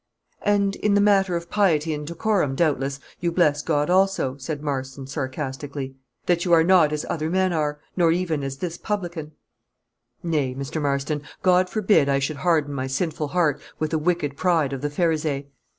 "And in the matter of piety and decorum, doubtless, you bless God also," said Marston, sarcastically, "that you are not as other men are, nor even as this publican." "Nay, Mr. Marston; God forbid I should harden my sinful heart with the wicked pride of the Pharisee.